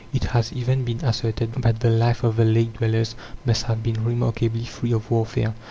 It has even been asserted that the life of the lake dwellers must have been remarkably free of warfare.